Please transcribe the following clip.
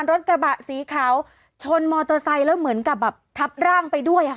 รถกระบะสีขาวชนมอเตอร์ไซค์แล้วเหมือนกับแบบทับร่างไปด้วยค่ะ